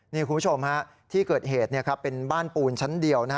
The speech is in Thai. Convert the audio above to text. นี่คุณผู้ชมที่เกิดเหตุเป็นบ้านปูนชั้นเดียว